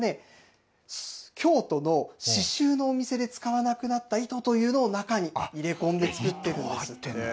これはね、京都の刺しゅうの店で使わなくなった糸というのを中に入れ込んで作ってるんですって。